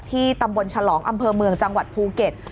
ตำบลฉลองอำเภอเมืองจังหวัดภูเก็ต